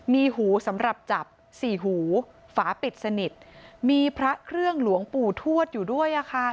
มีหูสำหรับจับสี่หูฝาปิดสนิทมีพระเครื่องหลวงปู่ทวดอยู่ด้วยอะค่ะ